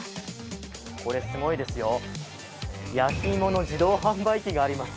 これすごいですよ、焼き芋の自動販売機があります。